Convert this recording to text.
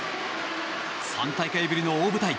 ３大会ぶりの大舞台